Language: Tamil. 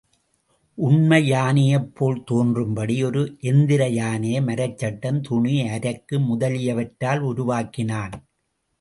உண்மை யானையைப் போல் தோன்றும்படி ஒரு எந்திர யானையை மரச்சட்டம், துணி, அரக்கு முதலியவற்றால் உருவாக்கினான்.